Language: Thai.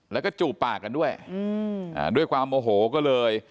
แล้วก็จูบปากกันด้วยด้วยความโมโหก็เลย